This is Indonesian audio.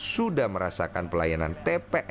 sudah merasakan pelayanan tpf